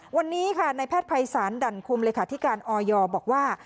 วันนี้ในแพทย์ภัยสารดันคุมเลยค่ะที่การออยยบอกว่า